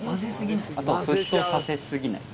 あと沸騰させすぎない。